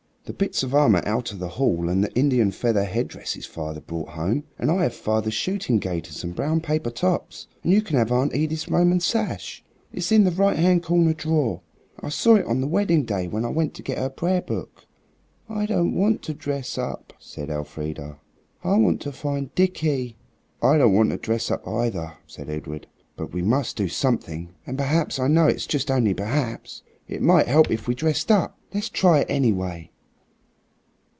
"The bits of armor out of the hall, and the Indian feather head dresses father brought home, and I have father's shooting gaiters and brown paper tops, and you can have Aunt Edith's Roman sash. It's in the right hand corner drawer. I saw it on the wedding day when I went to get her prayer book." "I don't want to dress up," said Elfrida; "I want to find Dickie." "I don't want to dress up either," said Edred; "but we must do something, and perhaps, I know it's just only perhaps, it might help if we dressed up. Let's try it, anyway."